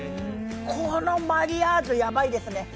このマリアージュ、やばいですね。